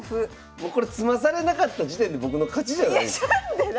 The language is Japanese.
もうこれ詰まされなかった時点で僕の勝ちじゃないですか？